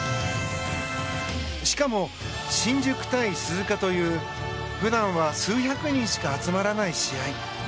しかも、新宿対鈴鹿という普段は数百人しか集まらない試合。